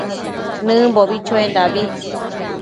Nëbimbo chuendabi